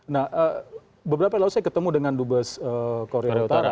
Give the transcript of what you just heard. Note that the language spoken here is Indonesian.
nah beberapa yang lalu saya ketemu dengan dubes korea utara